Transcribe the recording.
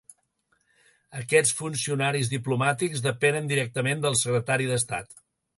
Aquests funcionaris diplomàtics depenen directament del Secretari d'Estat.